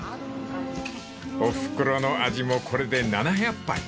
［おふくろの味もこれで７００杯］